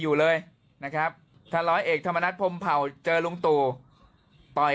อยู่เลยนะครับถ้าร้อยเอกธรรมนัฐพรมเผ่าเจอลุงตู่ปล่อย